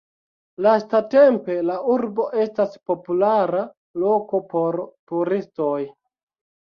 Lastatempe, la urbo estas populara loko por turistoj.